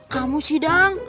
kamu sih dang